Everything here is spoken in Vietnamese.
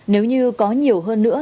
nếu như có nhiều hơn nữa